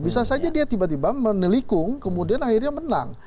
bisa saja dia tiba tiba menelikung kemudian akhirnya menang